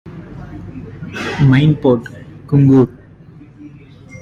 Main port: Kungur.